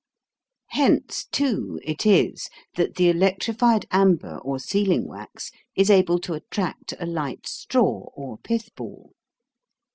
Hence, too, it is that the electrified amber or sealing wax is able to attract a light straw or pithball.